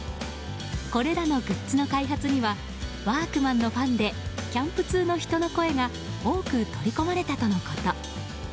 これらのグッズの開発にはワークマンのファンでキャンプ通の人の声が多く取り込まれたとのこと。